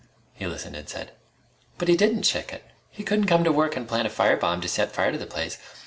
He listened and said: "But he didn't chicken! He couldn't come to work and plant a fire bomb to set fire to the place!...